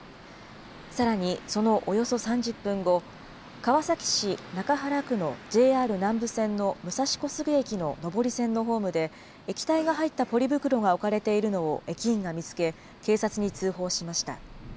さらにそのおよそ３０分後、川崎市中原区のＪＲ南武線の武蔵小杉駅の上り線のホームで、液体が入ったポリ袋が置かれているのを駅員が見つけ、警察に通報しました。